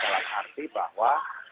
dalam arti bahwa